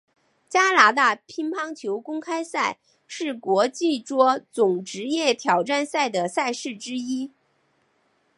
加拿大乒乓球公开赛是国际桌总职业挑战赛的赛事之一。